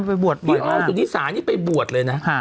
พี่อ้อมคือนิสานี่ไปบวชเลยนะ